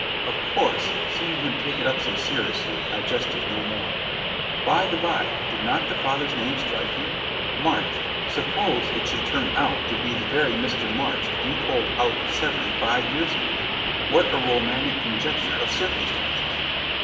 Of course, seeing him take it up so seriously, I jested no more. "By the by, did not the father's name strike you? MARCH suppose it should turn out to be the very Mr. March you pulled out of Severn five years ago. What a romantic conjuncture of circumstances?"